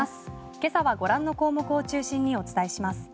今朝はご覧の項目を中心にお伝えします。